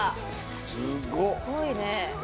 すごいね。